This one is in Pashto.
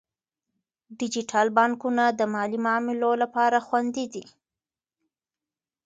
ډیجیټل بانکونه د مالي معاملو لپاره خوندي دي.